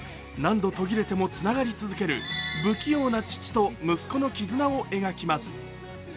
何度途切れてもつながり続ける不器用な父と息子の絆を描きます。